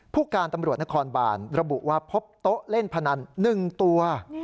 ผู้การตำรวจนครบานระบุว่าพบโต๊ะเล่นพนัน๑ตัว